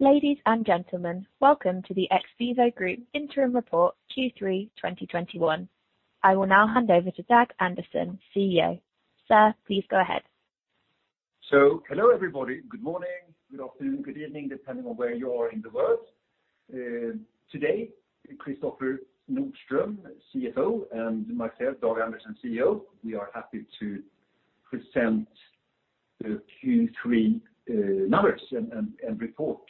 Ladies and gentlemen, welcome to the XVIVO Group interim report Q3 2021. I will now hand over to Dag Andersson, CEO. Sir, please go ahead. Hello everybody. Good morning, good afternoon, good evening, depending on where you are in the world. Today, Kristoffer Nordström, CFO, and myself, Dag Andersson, CEO. We are happy to present the Q3 numbers and report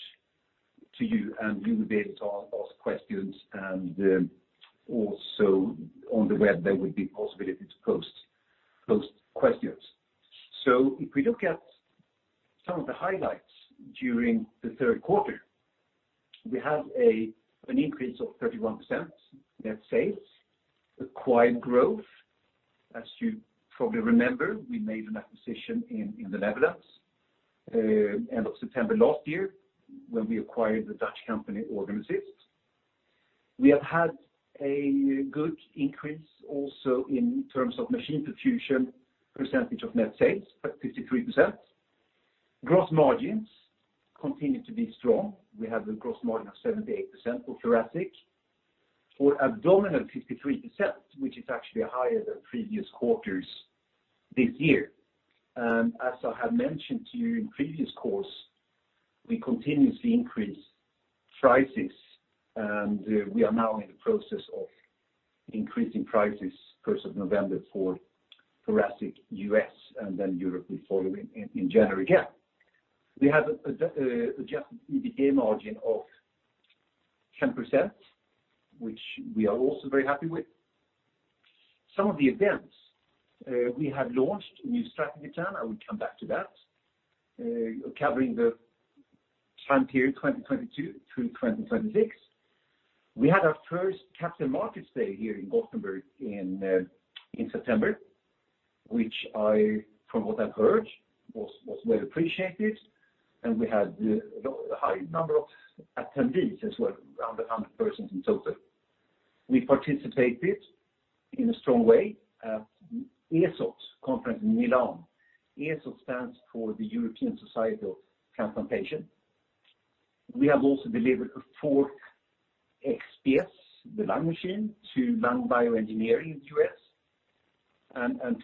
to you, and you will be able to ask questions, and also on the web, there will be possibility to post those questions. If we look at some of the highlights during the third quarter. We have an increase of 31% net sales, acquired growth. As you probably remember, we made an acquisition in the Netherlands, end of September last year when we acquired the Dutch company OrganAssist. We have had a good increase also in terms of machine perfusion, percentage of net sales at 53%. Gross margins continue to be strong. We have a gross margin of 78% for thoracic. For abdominal, 53%, which is actually higher than previous quarters this year. As I have mentioned to you in previous calls, we continuously increase prices, and we are now in the process of increasing prices 1st of November for thoracic U.S. and then Europe will follow in January. We have adjusted EBITDA margin of 10%, which we are also very happy with. Some of the events. We have launched a new strategy plan. I will come back to that, covering the time period 2022 through 2026. We had our first Capital Markets Day here in Gothenburg in September, which I, from what I've heard, was well appreciated, and we had a high number of attendees as well, around 100 persons in total. We participated in a strong way at the ESOT conference in Milan. ESOT stands for the European Society for Organ Transplantation. We have also delivered a fourth XPS, the lung machine, to Lung Bioengineering in the U.S.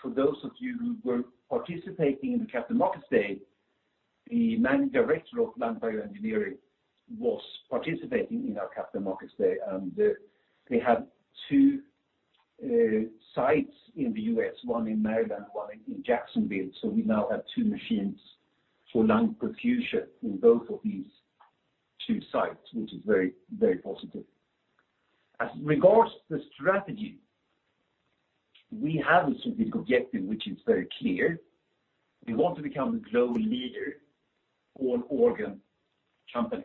For those of you who were participating in the Capital Markets Day, the managing director of Lung Bioengineering was participating in our Capital Markets Day, and they have two sites in the U.S., one in Maryland, one in Jacksonville. We now have two machines for lung perfusion in both of these two sites, which is very positive. As regards to the strategy, we have a strategic objective, which is very clear. We want to become the global leader for an organ company.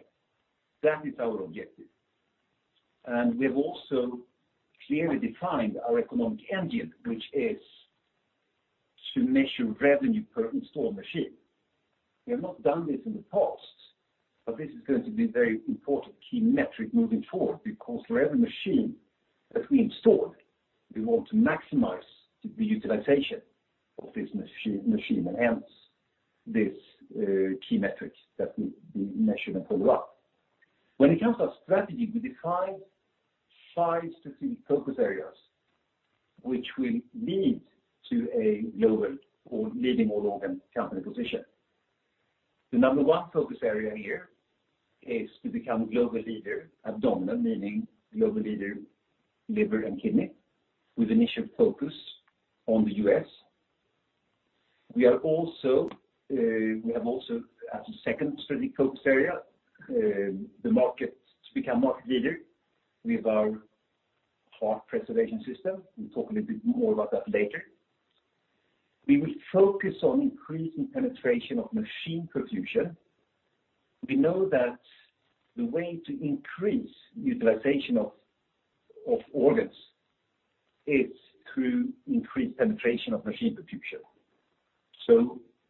That is our objective. We have also clearly defined our economic engine, which is to measure revenue per installed machine. We have not done this in the past, but this is going to be very important key metric moving forward, because for every machine that we install, we want to maximize the utilization of this machine and hence this key metric that we measure going up. When it comes to our strategy, we define five strategic focus areas which will lead to a global or leading organ company position. The number one focus area here is to become global leader abdominal, meaning global leader liver and kidney with initial focus on the U.S. We have also as a second strategic focus area, to become market leader with our heart preservation system, and talk a little bit more about that later. We will focus on increasing penetration of machine perfusion. We know that the way to increase utilization of organs is through increased penetration of machine perfusion.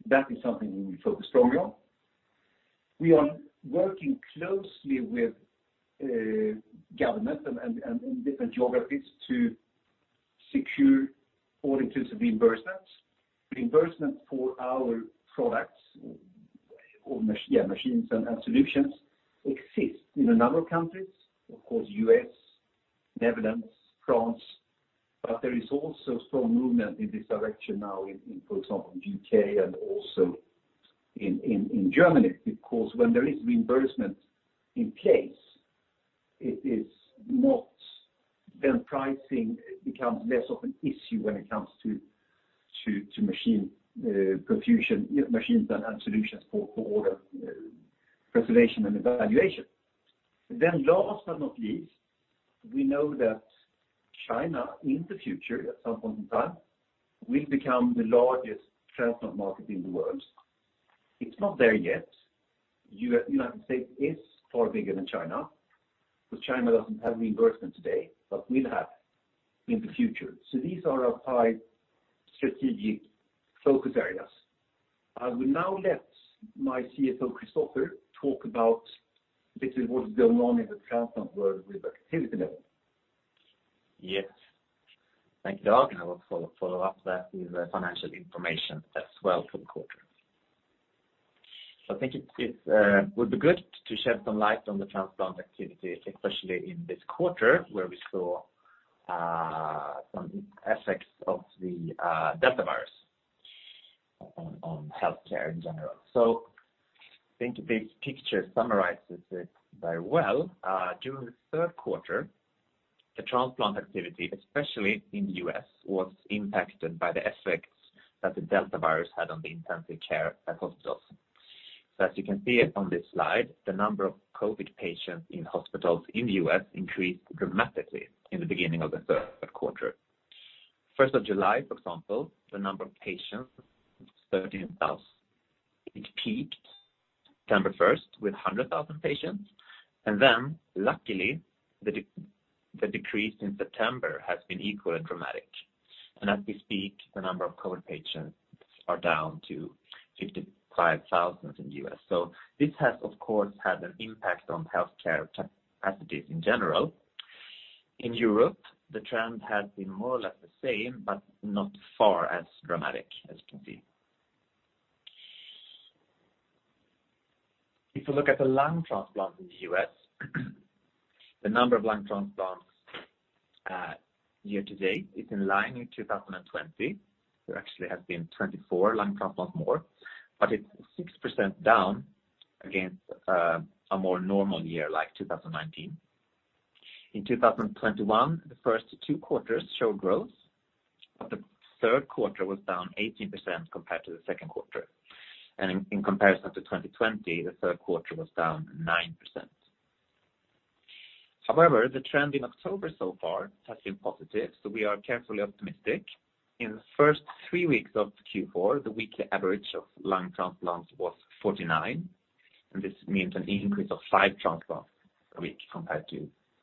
That is something we focus strongly on. We are working closely with government and in different geographies to secure all instances of reimbursement. Reimbursement for our products or machines and solutions exist in a number of countries, of course, U.S., Netherlands, France, there is also strong movement in this direction now in, for example, U.K. and also in Germany. When there is reimbursement in place, pricing becomes less of an issue when it comes to machine perfusion, machines and solutions for organ preservation and evaluation. Last but not least, we know that China, in the future, at some point in time, will become the largest transplant market in the world. It's not there yet. United States is far bigger than China because China doesn't have reimbursement today, but will have in the future. These are our five strategic focus areas. I will now let my CFO, Kristoffer, talk about a little what is going on in the transplant world with activity level. Yes. Thank you, Dag. I will follow up that with financial information as well for the quarter. I think it would be good to shed some light on the transplant activity, especially in this quarter, where we saw some effects of the Delta on healthcare in general. I think this picture summarizes it very well. During the third quarter, the transplant activity, especially in the U.S., was impacted by the effects that the Delta had on the intensive care at hospitals. As you can see on this slide, the number of COVID patients in hospitals in the U.S. increased dramatically in the beginning of the third quarter. 1st of July, for example, the number of patients, 13,000. It peaked September 1st with 100,000 patients. Luckily, the decrease in September has been equally dramatic. As we speak, the number of COVID patients are down to 55,000 in the U.S. This has, of course, had an impact on healthcare capacities in general. In Europe, the trend has been more or less the same, but not far as dramatic as you can see. If you look at the lung transplants in the U.S., the number of lung transplants year-to-date is in line with 2020. There actually has been 24 lung transplants more, but it's 6% down against a more normal year like 2019. In 2021, the first two quarters show growth, but the third quarter was down 18% compared to the second quarter. In comparison to 2020, the third quarter was down 9%. However, the trend in October so far has been positive, so we are carefully optimistic. In the first 3 weeks of Q4, the weekly average of lung transplants was 49. This means an increase of five transplants a week compared to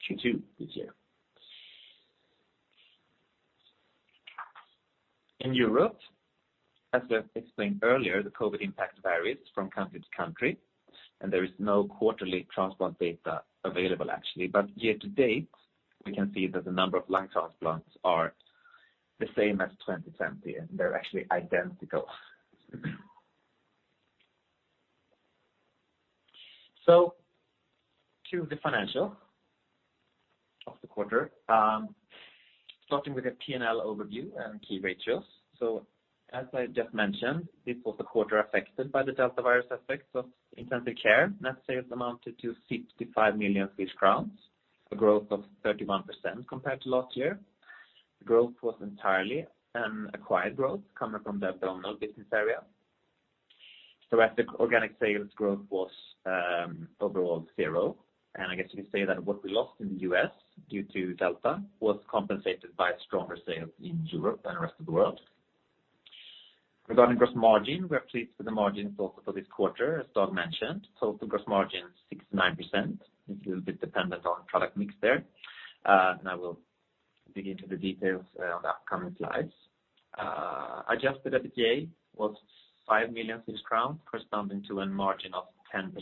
Q2 this year. In Europe, as I explained earlier, the COVID impact varies from country to country. There is no quarterly transplant data available actually. Year to date, we can see that the number of lung transplants are the same as 2020. They're actually identical. To the financial of the quarter, starting with a P&L overview and key ratios. As I just mentioned, this was a quarter affected by the Delta virus effect of intensive care. Net sales amounted to 65 million crowns, a growth of 31% compared to last year. The growth was entirely an acquired growth coming from the abdominal business area. Thoracic organic sales growth was overall zero. I guess you could say that what we lost in the U.S. due to Delta was compensated by stronger sales in Europe and the rest of the world. Regarding gross margin, we are pleased with the margins also for this quarter, as Dag mentioned. Total gross margin is 69%. It's a little bit dependent on product mix there. I will dig into the details on the upcoming slides. Adjusted EBITDA was 5 million crowns, corresponding to a margin of 10%.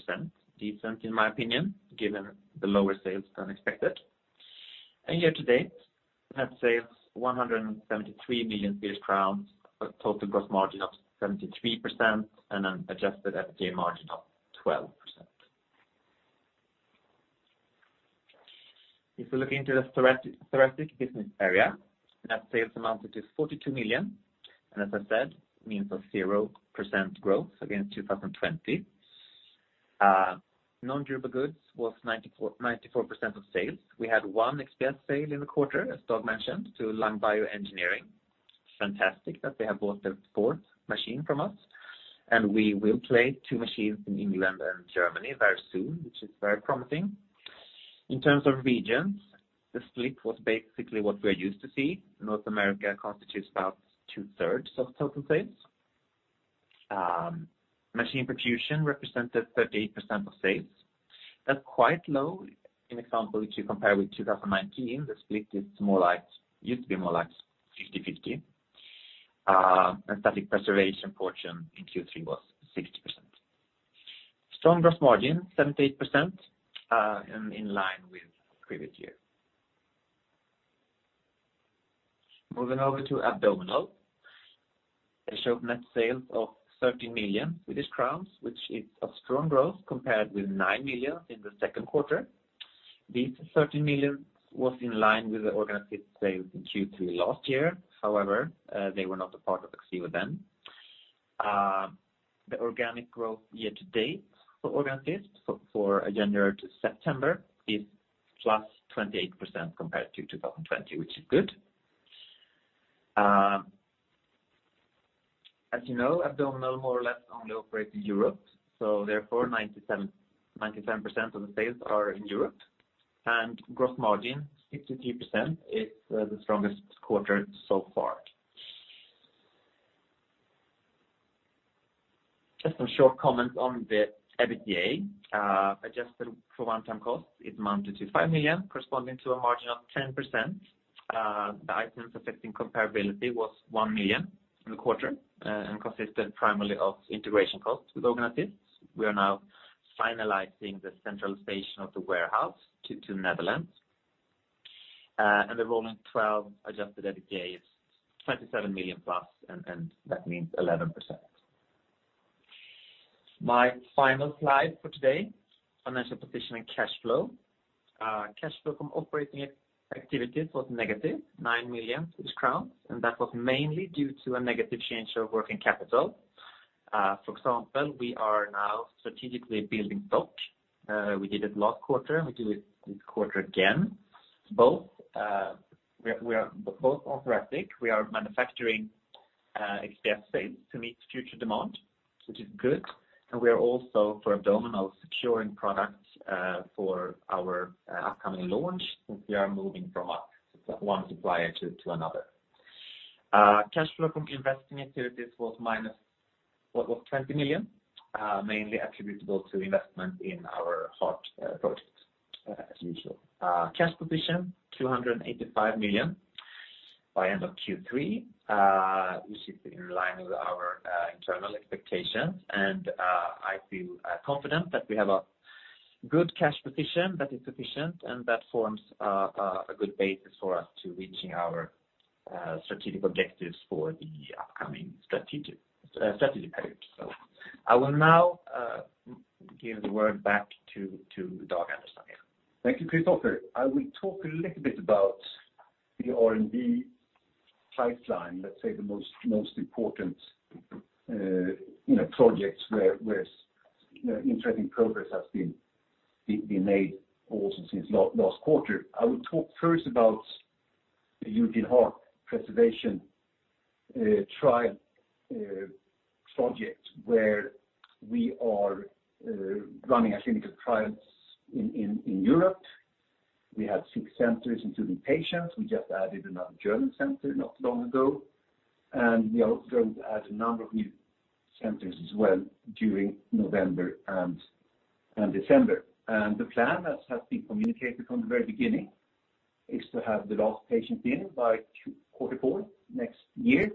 Decent, in my opinion, given the lower sales than expected. Year to date, net sales 173 million crowns, a total gross margin of 73%, and an adjusted EBITDA margin of 12%. If you look into the thoracic business area, net sales amounted to 42 million, and as I said, means a 0% growth against 2020. Non-durable goods was 94% of sales. We had one XPS sale in the quarter, as Dag mentioned, to Lung Bioengineering. Fantastic that they have bought their fourth machine from us. We will place two machines in England and Germany very soon, which is very promising. In terms of regions, the split was basically what we are used to see. North America constitutes about two-thirds of total sales. Machine perfusion represented 38% of sales. That's quite low. For example, if you compare with 2019, the split used to be more like 50/50. Static preservation portion in Q3 was 60%. Strong gross margin, 78%, and in line with previous year. Moving over to abdominal. They showed net sales of 30 million Swedish crowns, which is a strong growth compared with 9 million in the second quarter. These 30 million was in line with the OrganAssist sales in Q3 last year. However, they were not a part of XVIVO then. The organic growth year to date for OrganAssist for January to September is +28% compared to 2020, which is good. As you know, abdominal more or less only operates in Europe, therefore 97% of the sales are in Europe, and gross margin, 63%, is the strongest quarter so far. Just some short comments on the EBITDA. Adjusted for one-time costs, it amounted to 5 million, corresponding to a margin of 10%. The item- expecting comparability was 1 million in the quarter and consisted primarily of integration costs with OrganAssist. We are now finalizing the centralization of the warehouse to Netherlands. The rolling 12 adjusted EBITDA is 27 million+, and that means 11%. My final slide for today, financial position and cash flow. Cash flow from operating activities was -9 million crowns, that was mainly due to a negative change of working capital. For example, we are now strategically building stock. We did it last quarter, we do it this quarter again. Both orthopedic, we are manufacturing XPS to meet future demand, which is good, and we are also, for abdominal, securing products for our upcoming launch since we are moving from one supplier to another. Cash flow from investing activities was -20 million, mainly attributable to investment in our heart project as usual. Cash position, 285 million by end of Q3, which is in line with our internal expectations and I feel confident that we have a good cash position that is sufficient and that forms a good basis for us to reaching our strategic objectives for the upcoming strategic period. I will now give the word back to Dag Andersson again. Thank you, Kristoffer. I will talk a little bit about the R&D pipeline, let's say the most important projects where interesting progress has been made also since last quarter. I will talk first about the European heart preservation trial project where we are running a clinical trials in Europe. We have six centers including patients. We just added another German center not long ago, we are also going to add a number of new centers as well during November and December. The plan as has been communicated from the very beginning is to have the last patient in by Q4 next year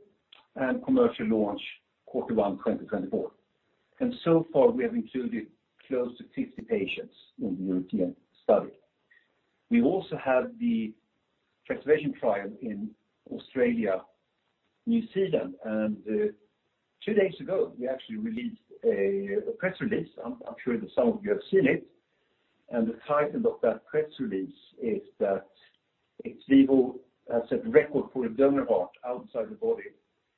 and commercial launch Q1 2024. So far, we have included close to 50 patients in the European study. We also have the preservation trial in Australia, New Zealand, and two days ago we actually released a press release. I'm sure that some of you have seen it. The title of that press release is that "XVIVO has set a record for a donor heart outside the body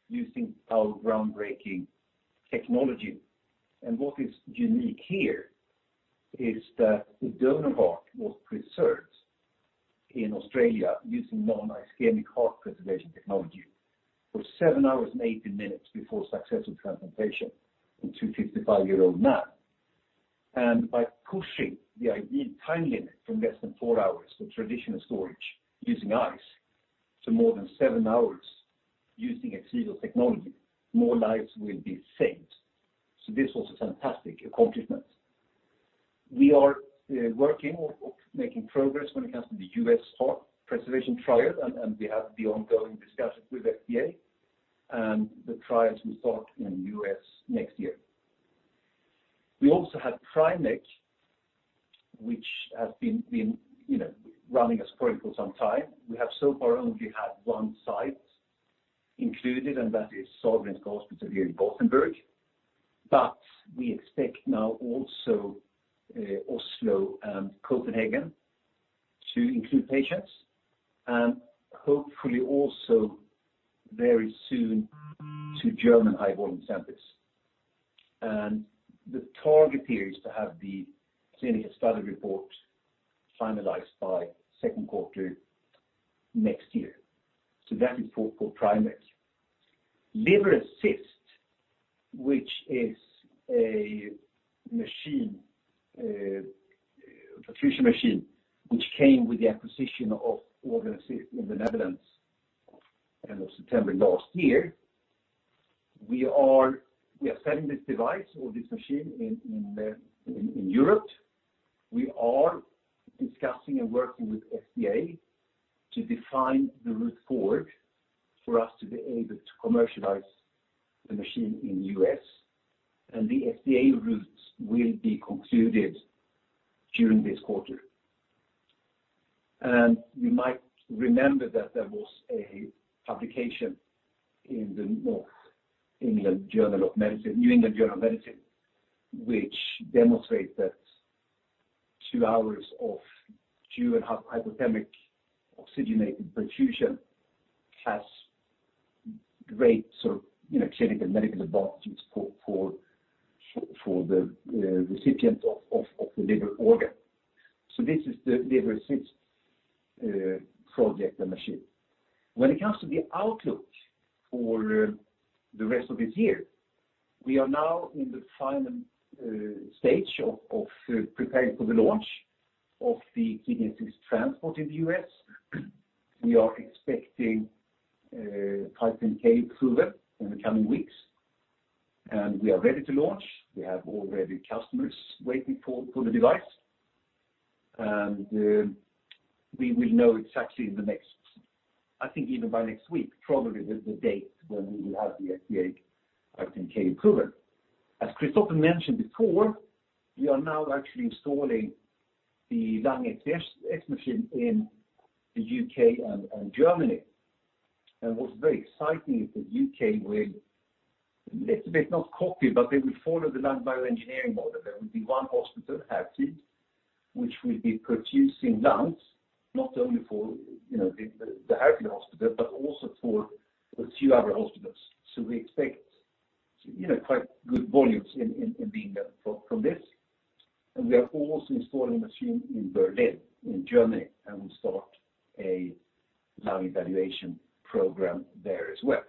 using our groundbreaking technology." What is unique here is that the donor heart was preserved in Australia using non-ischemic heart preservation technology for seven hours and 80 minutes before successful transplantation in a 55-year-old man. By pushing the ideal time limit from less than four hours for traditional storage using ice to more than seven hours using XVIVO technology, more lives will be saved. This was a fantastic accomplishment. We are working or making progress when it comes to the U.S. heart preservation trial, and we have the ongoing discussions with FDA and the trials will start in the U.S. next year. We also have PrimECC, which has been running as critical some time. We have so far only had one site included, that is Sahlgrenska Hospital here in Gothenburg. We expect now also Oslo and Copenhagen to include patients. Hopefully also very soon to German high-volume centers. The target period is to have the clinical study report finalized by second quarter next year. That is for PrimECC. Liver Assist, which is a perfusion machine which came with the acquisition of OrganAssist in the Netherlands end of September last year. We are selling this device or this machine in Europe. We are discussing and working with FDA to define the route forward for us to be able to commercialize the machine in the U.S. The FDA routes will be concluded during this quarter. You might remember that there was a publication in the New England Journal of Medicine, which demonstrate that two hours of 2.5 hypothermic oxygenated perfusion has great sort of clinical medical advantages for the recipient of the liver organ. This is the Liver Assist project, the machine. When it comes to the outlook for the rest of this year, we are now in the final stage of preparing for the launch of the Kidney Assist Transport in the U.S. We are expecting 510 approval in the coming weeks, and we are ready to launch. We have already customers waiting for the device. We will know exactly, I think even by next week, probably the date when we will have the FDA 510(k) approval. As Kristoffer mentioned before, we are now actually installing the XPS machine in the U.K. and Germany. What's very exciting is that U.K. will, little bit not copy, but they will follow the Lung Bioengineering model. There will be one hospital, Harefield, which will be producing lungs, not only for the Harefield Hospital, but also for a few other hospitals. We expect quite good volumes in being there from this. We are also installing a machine in Berlin, in Germany, and will start a lung evaluation program there as well.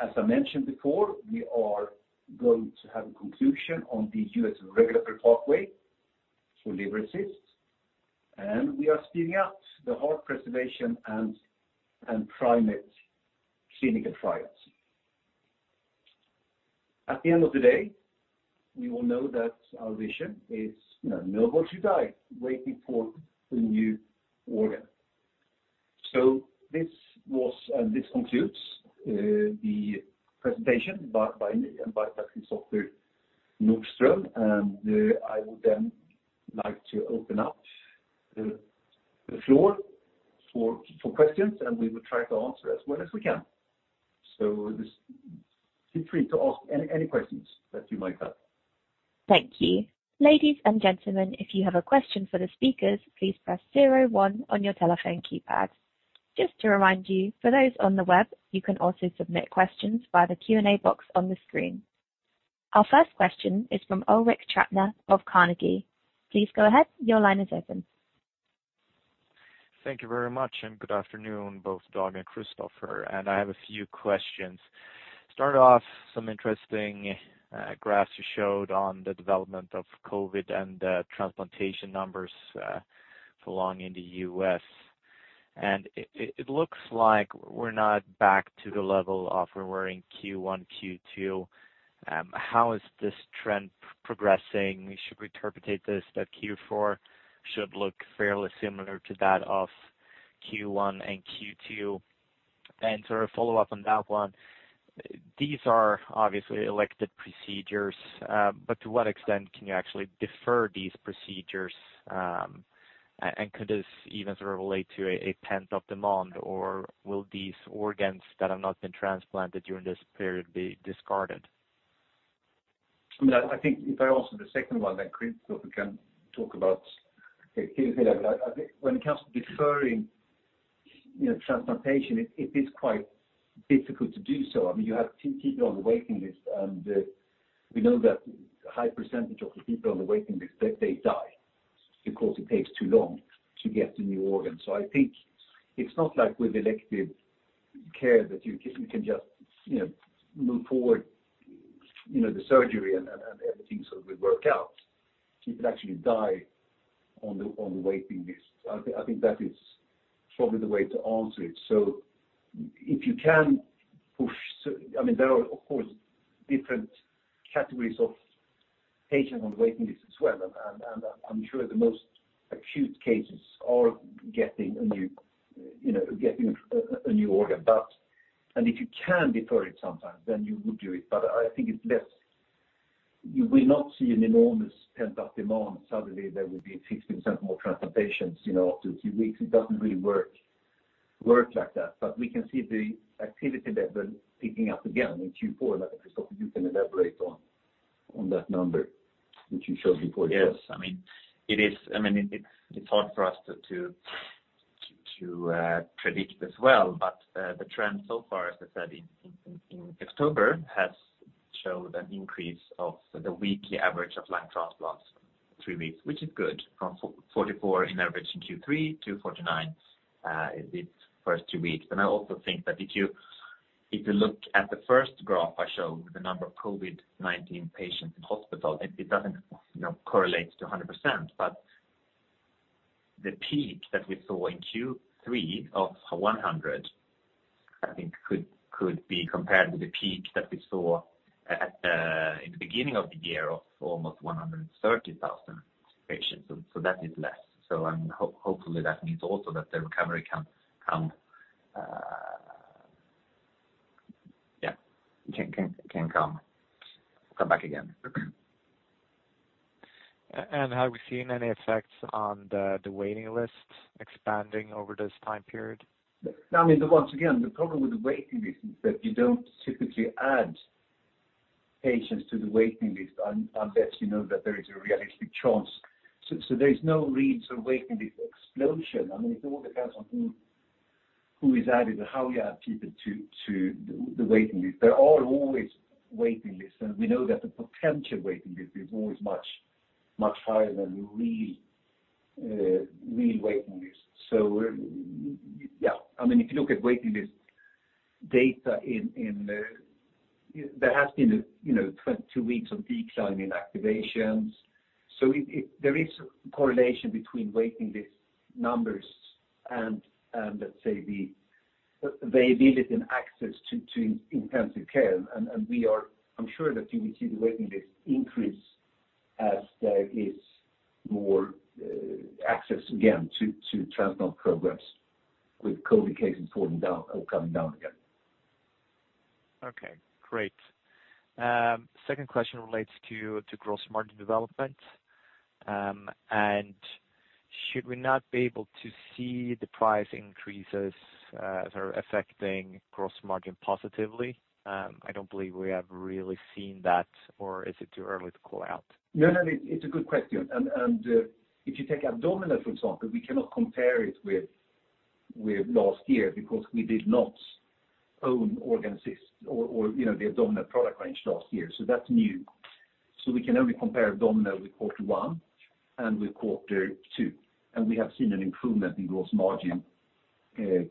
As I mentioned before, we are going to have a conclusion on the U.S. regulatory pathway for Liver Assist, and we are speeding up the heart preservation and PrimECC clinical trials. At the end of the day, we will know that our vision is no one should die waiting for a new organ. This concludes the presentation by me and by Kristoffer Nordström, and I would then like to open up the floor for questions, and we will try to answer as well as we can. Just feel free to ask any questions that you might have. Thank you. Ladies and gentlemen, if you have a question for the speakers, please press zero, one on your telephone keypad. Just to remind you, for those on the web, you can also submit questions via the Q&A box on the screen. Our first question is from Ulrik Trattner of Carnegie. Please go ahead. Your line is open. Thank you very much. Good afternoon, both Dag Andersson and Kristoffer Nordström. I have a few questions. Start off, some interesting graphs you showed on the development of COVID and the transplantation numbers for lung in the U.S. It looks like we're not back to the level of when we were in Q1, Q2. How is this trend progressing? Should we interpret this that Q4 should look fairly similar to that of Q1 and Q2? To follow up on that one, these are obviously elected procedures. To what extent can you actually defer these procedures? Could this even relate to a pent-up demand? Will these organs that have not been transplanted during this period be discarded? I think if I answer the second one, then Kristoffer can talk about the Q4. When it comes to deferring transplantation, it is quite difficult to do so. You have people on the waiting list, and we know that a high percentage of the people on the waiting list, they die because it takes too long to get a new organ. I think it's not like with elective care that you can just move forward the surgery and everything will work out. People actually die on the waiting list. I think that is probably the way to answer it. If you can push, there are, of course, different categories of patients on the waiting list as well. I'm sure the most acute cases are getting a new organ. If you can defer it sometimes, then you would do it. I think you will not see an enormous pent-up demand, suddenly there will be 15% more transplantations after a few weeks. It doesn't really work like that. We can see the activity there picking up again in Q4. Kristoffer, you can elaborate on that number that you showed before as well. Yes. It's hard for us to predict as well, but the trend so far, as I said, in October, has showed an increase of the weekly average of lung transplants, three weeks, which is good, from 44 in average in Q3 to 49 in these first two weeks. I also think that if you look at the first graph I showed, the number of COVID-19 patients in hospital, it doesn't correlate to 100%, but the peak that we saw in Q3 of 100, I think could be compared with the peak that we saw in the beginning of the year of almost 130,000 patients. That is less. Hopefully that means also that the recovery can come back again. Have we seen any effects on the waiting list expanding over this time period? The problem with the waiting list is that you don't typically add patients to the waiting list unless you know that there is a realistic chance. There's no real waiting list explosion. It all depends on who is added and how you add people to the waiting list. There are always waiting lists, we know that the potential waiting list is always much higher than real waiting lists. If you look at waiting list data, there has been two weeks of decline in activations. There is a correlation between waiting list numbers and, let's say the ability and access to intensive care. I'm sure that you will see the waiting list increase as there is more access again to transplant programs with COVID cases coming down again. Okay, great. Second question relates to gross margin development. Should we not be able to see the price increases sort of affecting gross margin positively? I don't believe we have really seen that or is it too early to call out? No, it's a good question. If you take abdominal, for example, we cannot compare it with last year because we did not own OrganAssist or the abdominal product range last year. That's new. We can only compare abdominal with quarter one and with quarter two. We have seen an improvement in gross margin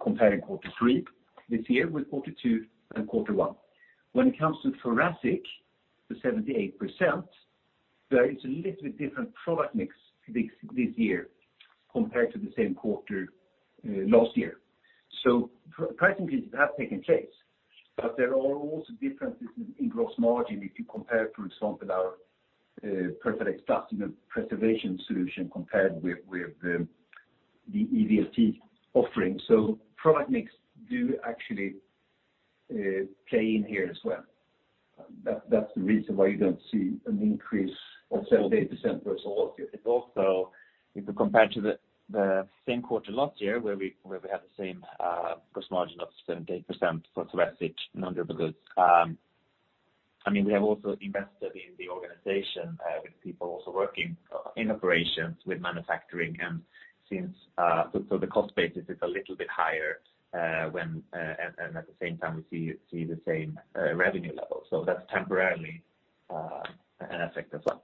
comparing quarter three this year with quarter two and quarter one. When it comes to thoracic, the 78%, there is a little bit different product mix this year compared to the same quarter last year. Price increases have taken place. There are also differences in gross margin if you compare, for example, our PERFADEX preservation solution compared with the EVLP offering. Product mix do actually play in here as well. That's the reason why you don't see an increase of 78% versus last year. It's also, if you compare to the same quarter last year where we had the same gross margin of 78% for thoracic and other goods. We have also invested in the organization with people also working in operations with manufacturing and so the cost base is a little bit higher, and at the same time we see the same revenue level. That's temporarily an effect as well.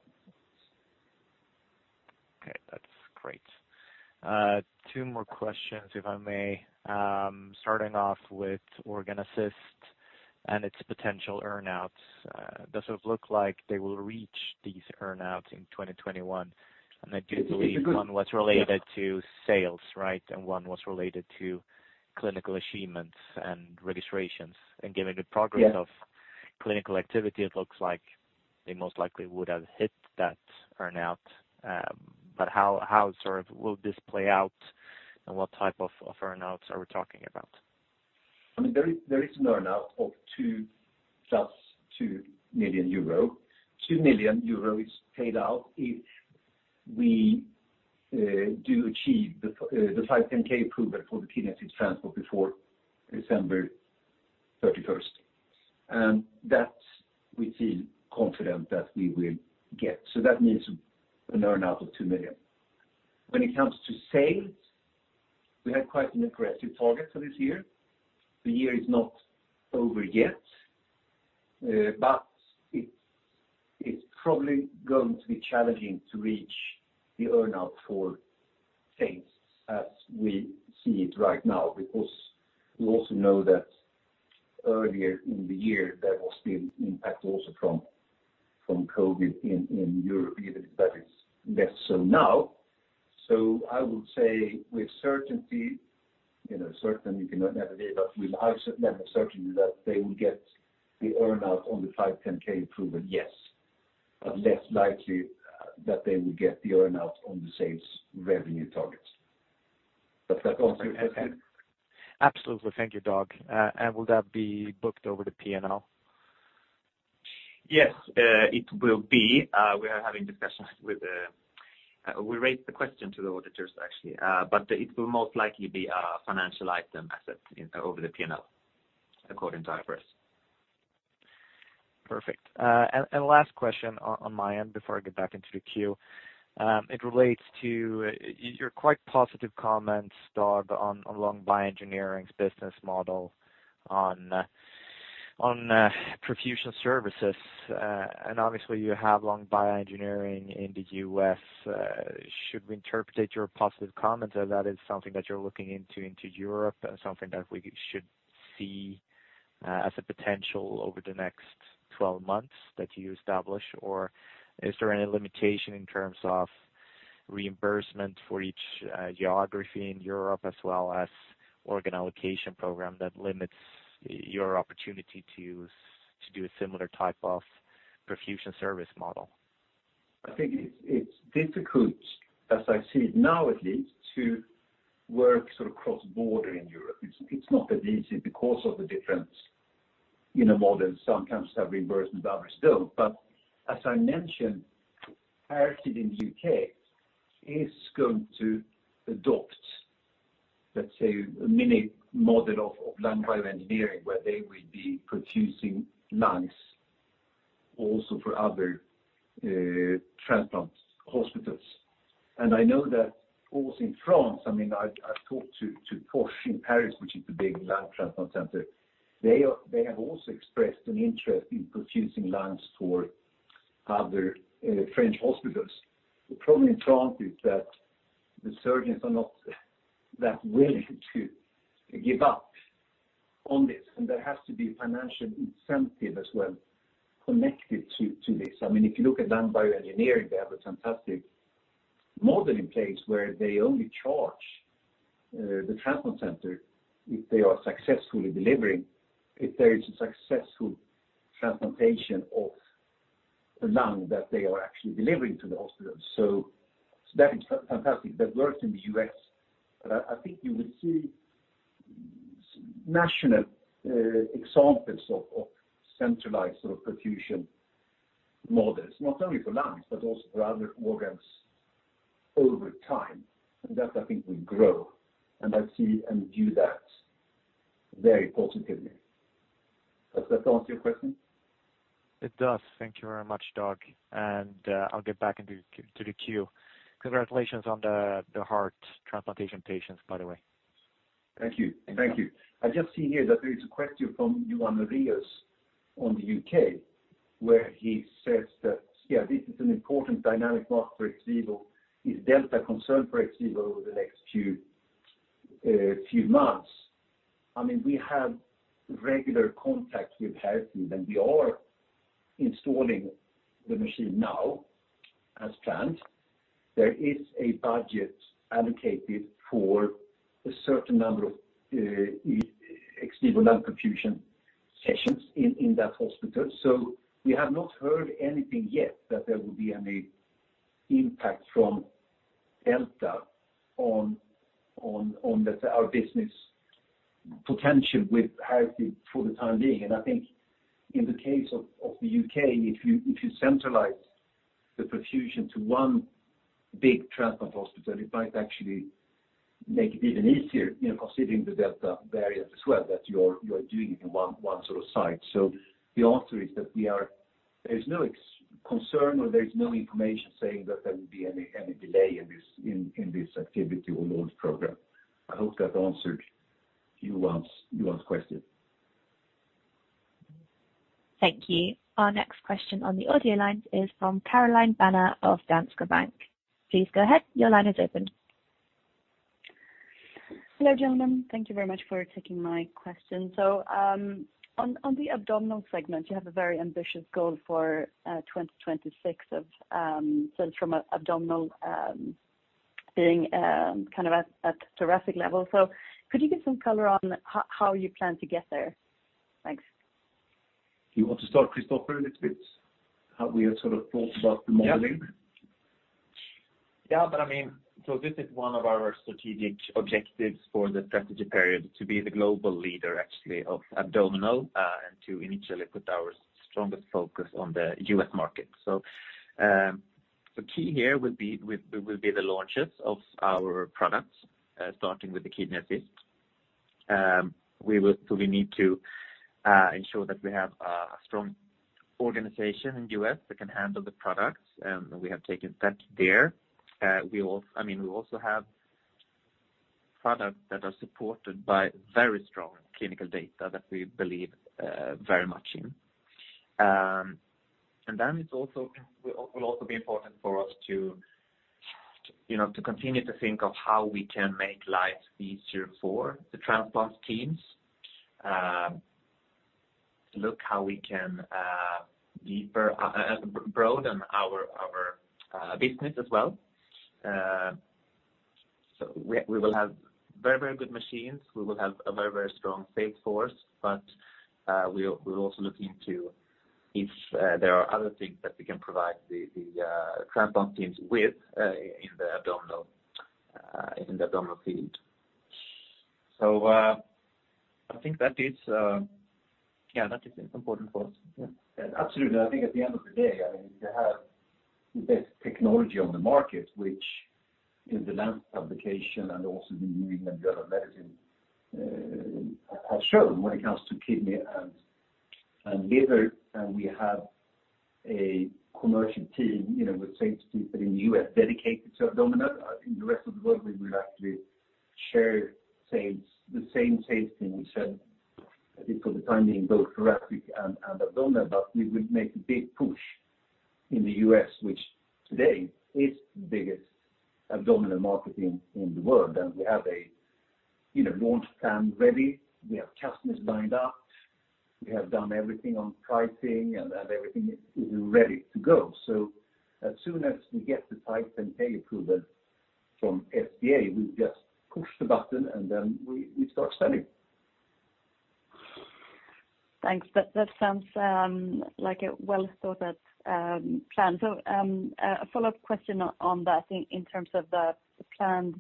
Okay, that's great. Two more questions, if I may, starting off with OrganAssist and its potential earn-outs. Does it look like they will reach these earn-outs in 2021? I do believe one was related to sales, right? One was related to clinical achievements and registrations. Given the progress- Yes of clinical activity, it looks like they most likely would have hit that earn-out. How sort of will this play out and what type of earn-outs are we talking about? There is an earn-out of plus 2 million euro. 2 million euro is paid out if we do achieve the 510(k) approval for the pediatric transport before December 31st. That we feel confident that we will get. That means an earn-out of 2 million. When it comes to sales, we had quite an aggressive target for this year. The year is not over yet, but it's probably going to be challenging to reach the earn-out for sales as we see it right now, because we also know that earlier in the year, there was the impact also from COVID in Europe, even if that is less so now. I would say with certainty, certain you can never be, but with a high level of certainty that they will get the earn-out on the 510(k) approval, yes, but less likely that they will get the earn-out on the sales revenue targets. Does that answer your question? Absolutely. Thank you, Dag. Will that be booked over the P&L? Yes, it will be. We are having discussions with the auditors, actually. It will most likely be a financial item asset over the P&L, according to IFRS. Perfect. Last question on my end before I get back into the queue. It relates to your quite positive comments, Dag, Lung Bioengineering's business model on perfusion services. Obviously you have Lung Bioengineering in the U.S. Should we interpret your positive comments as that is something that you're looking into Europe as something that we should see as a potential over the next 12 months that you establish, or is there any limitation in terms of reimbursement for each geography in Europe as well as organ allocation program that limits your opportunity to do a similar type of perfusion service model? I think it is difficult, as I see it now at least, to work sort of cross-border in Europe. It is not that easy because of the difference in a model. Some countries have reimbursement, others don't. As I mentioned, Harefield Hospital in the U.K. is going to adopt, let's say, a mini model of Lung Bioengineering, where they will be perfusing lungs also for other transplant hospitals. I know that also in France, I've talked to Foch in Paris, which is the big lung transplant center. They have also expressed an interest in perfusing lungs for other French hospitals. The problem in France is that the surgeons are not that willing to give up on this, and there has to be financial incentive as well connected to this. If you look at Lung Bioengineering, they have a fantastic model in place where they only charge the transplant center if they are successfully delivering, if there is a successful transplantation of the lung that they are actually delivering to the hospitals. That is fantastic. That works in the U.S., but I think you will see national examples of centralized sort of perfusion models, not only for lungs, but also for other organs over time. That I think will grow. I see and view that very positively. Does that answer your question? It does. Thank you very much, Dag. I'll get back into the queue. Congratulations on the heart transplantation patients, by the way. Thank you. I just see here that there is a question from Johan Unnerus on the U.K., where he says that, yeah, this is an important dynamic market for XVIVO. Is Delta a concern for XVIVO over the next few months? We have regular contact with Harefield, we are installing the machine now as planned. There is a budget allocated for a certain number of XVIVO lung perfusion sessions in that hospital. We have not heard anything yet that there will be any impact from Delta on our business potential with Harefield for the time being. I think in the case of the U.K., if you centralize the perfusion to 1 big transplant hospital, it might actually make it even easier, considering the Delta variant as well, that you are doing it in 1 sort of site. The answer is that there's no concern or there is no information saying that there will be any delay in this activity or launch program. I hope that answered Johan's question. Thank you. Our next question on the audio lines is from Caroline Banér of Danske Bank. Please go ahead. Your line is open. Hello, gentlemen. Thank you very much for taking my question. On the abdominal segment, you have a very ambitious goal for 2026 of sales from abdominal being kind of at thoracic level. Could you give some color on how you plan to get there? Thanks. You want to start, Kristoffer, a little bit, how we have sort of thought about the modeling? This is one of our strategic objectives for the strategy period, to be the global leader actually of abdominal, and to initially put our strongest focus on the U.S. market. The key here will be the launches of our products, starting with the Kidney Assist. We need to ensure that we have a strong organization in U.S. that can handle the products, and we have taken steps there. We also have products that are supported by very strong clinical data that we believe very much in. It will also be important for us to continue to think of how we can make lives easier for the transplant teams. Look how we can broaden our business as well. We will have very good machines. We will have a very strong sales force, but we're also looking to if there are other things that we can provide the transplant teams with in the abdominal field. I think that is important for us. Yeah. Absolutely. I think at the end of the day, to have the best technology on the market, which in The Lancet publication and also The New England Journal of Medicine have shown when it comes to kidney and liver, and we have a commercial team with sales people in the U.S. dedicated to abdominal. I think the rest of the world we will actually share the same sales team we said, I think, for the time being, both thoracic and abdominal. We will make a big push in the U.S., which today is the biggest abdominal market in the world. We have a launch plan ready. We have customers lined up. We have done everything on pricing, and everything is ready to go. As soon as we get the type and pay approval from FDA, we just push the button and then we start selling. Thanks. That sounds like a well-thought-out plan. A follow-up question on that in terms of the planned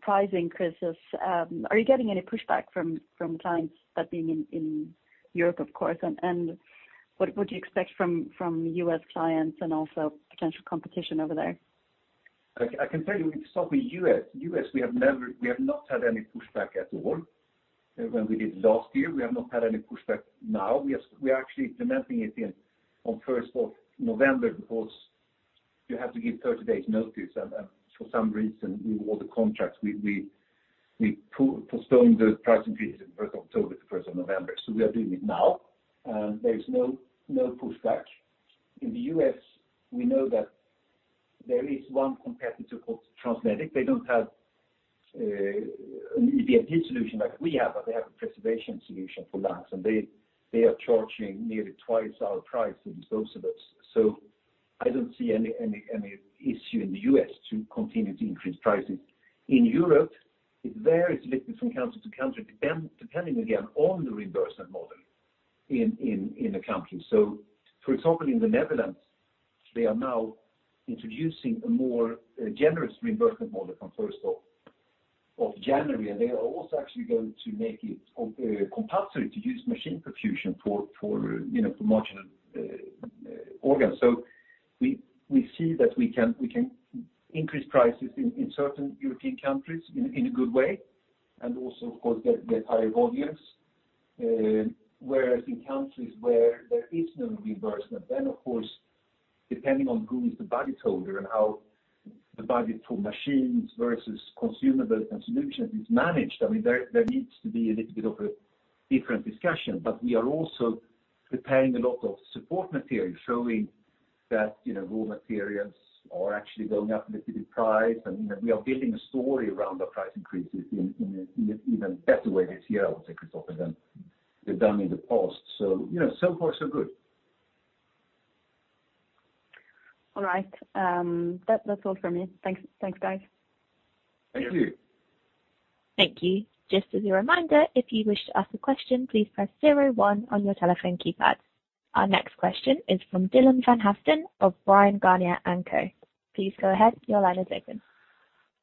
price increases. Are you getting any pushback from clients that being in Europe, of course? What do you expect from U.S. clients and also potential competition over there? I can tell you, to start with U.S., we have not had any pushback at all when we did last year. We have not had any pushback now. We are actually implementing it on 1st of November because you have to give 30 days notice. For some reason, with all the contracts, we postponed the pricing increase from 1st of October to 1st of November. We are doing it now, and there's no pushback. In the U.S., we know that there is one competitor called TransMedics. They don't have an EVLP solution like we have, but they have a preservation solution for lungs, and they are charging nearly twice our price in consumables. I don't see any issue in the U.S. to continue to increase prices. In Europe, it varies a little from country to country, depending, again, on the reimbursement model in the country. For example, in the Netherlands, they are now introducing a more generous reimbursement model from 1st of January, and they are also actually going to make it compulsory to use machine perfusion for marginal organs. We see that we can increase prices in certain European countries in a good way, and also, of course, get higher volumes. Whereas in countries where there is no reimbursement, of course, depending on who is the budget holder and how the budget for machines versus consumables and solutions is managed, there needs to be a little bit of a different discussion. We are also preparing a lot of support material showing that raw materials are actually going up a little bit in price, and we are building a story around our price increases in an even better way this year, I would say, Kristoffer, than we've done in the past. So far so good. All right. That's all from me. Thanks, guys. Thank you. Thank you. Just as a reminder, if you wish to ask a question, please press zero, one on your telephone keypad. Our next question is from Dylan van Haaften of Bryan, Garnier & Co. Please go ahead. Your line is open.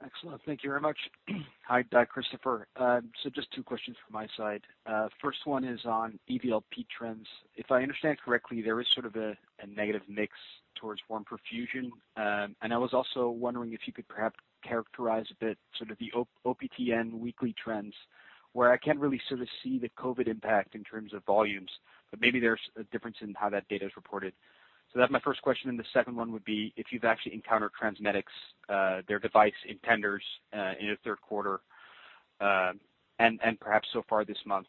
Excellent. Thank you very much. Hi, Kristoffer. Just two questions from my side. 1st one is on EVLP trends. If I understand correctly, there is sort of a negative mix towards warm perfusion. I was also wondering if you could perhaps characterize a bit sort of the OPTN weekly trends, where I can't really sort of see the COVID impact in terms of volumes, but maybe there's a difference in how that data is reported. That's my 1st question, and the 2nd one would be if you've actually encountered TransMedics, their device in tenders in the 3rd quarter, and perhaps so far this month.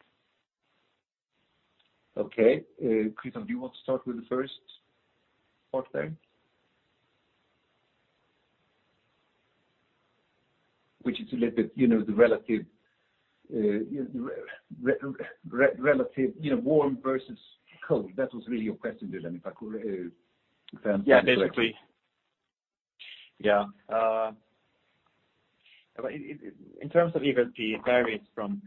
Okay. Kristoffer, do you want to start with the first part there? Which is a little bit the relative warm versus cold. That was really your question, Dylan, if I could. Yeah, basically. Yeah. In terms of EVLP, it varies from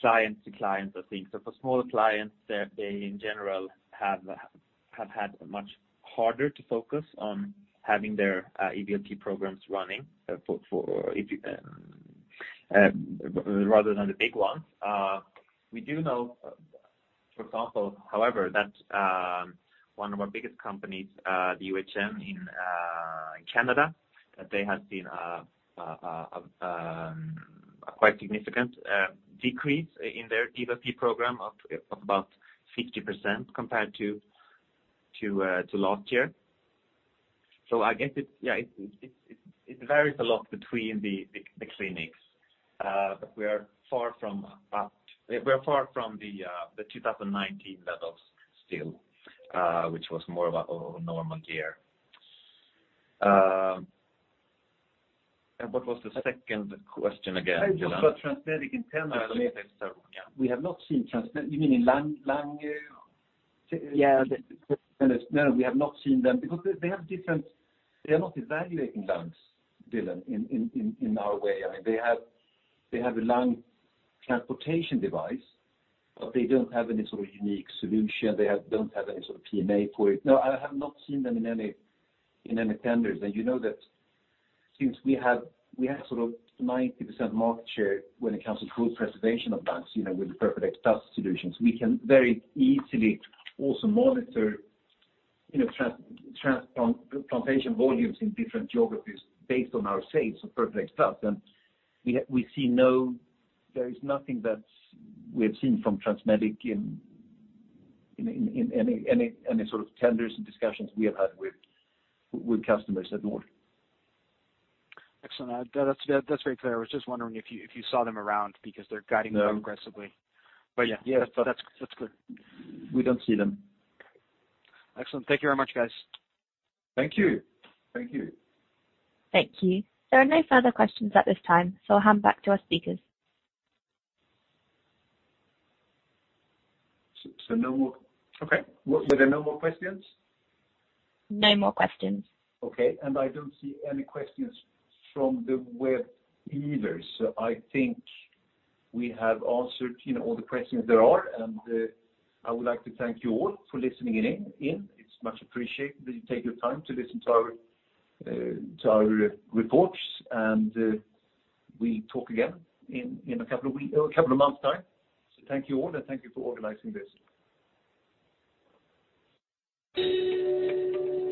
client to client, I think. For smaller clients, they, in general, have had much harder to focus on having their EVLP programs running rather than the big ones. We do know, for example, however, that one of our biggest companies, the UHN in Canada, that they have seen a quite significant decrease in their EVLP program of about 50% compared to last year. I guess it varies a lot between the clinics. We are far from the 2019 levels still, which was more of a normal year. What was the second question again, Dylan? About TransMedics in tenders. Let me take that one, yeah. We have not seen TransMedics. You mean in lung? Yeah. No, we have not seen them because they are not evaluating lungs, Dylan, in our way. They have a lung transplantation device, they don't have any sort of unique solution. They don't have any sort of PMA for it. No, I have not seen them in any tenders. You know that since we have sort of 90% market share when it comes to cold preservation of lungs, with the PERFADEX Plus solutions, we can very easily also monitor transplantation volumes in different geographies based on our sales of PERFADEX Plus. There is nothing that we have seen from TransMedics in any sort of tenders and discussions we have had with customers at all. Excellent. That's very clear. I was just wondering if you saw them around because they're guiding- No aggressively. Yeah. Yes. That is good. We don't see them. Excellent. Thank you very much, guys. Thank you. Thank you. Thank you. There are no further questions at this time, so I'll hand back to our speakers. okay. Were there no more questions? No more questions. Okay. I don't see any questions from the web either. I think we have answered all the questions there are, and I would like to thank you all for listening in. It's much appreciated that you take your time to listen to our reports. We talk again in a couple of months' time. Thank you all, and thank you for organizing this.